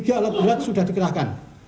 tiga alat berat sudah dikerahkan